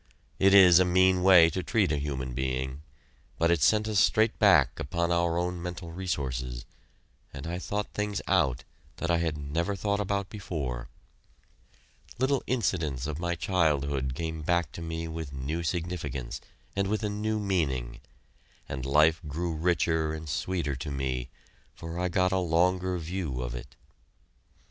It is a mean way to treat a human being, but it sent us straight back upon our own mental resources, and I thought things out that I had never thought about before. Little incidents of my childhood came back to me with new significance and with a new meaning, and life grew richer and sweeter to me, for I got a longer view of it.